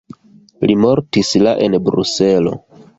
Li mortis la en Bruselo.